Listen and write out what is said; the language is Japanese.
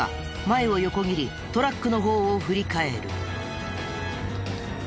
前を横切りトラックの方を振り返る。